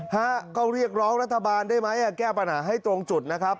ฮะก็เรียกร้องรัฐบาลได้ไหมแก้ปัญหาให้ตรงจุดนะครับ